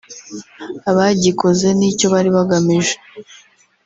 abagikoze n'icyo bari bagamije